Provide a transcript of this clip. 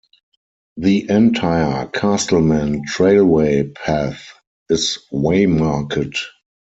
The entire Castleman Trailway path is waymarked.